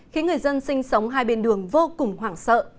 khiến người dân sinh sống hai bên đường vô cùng hoảng sợ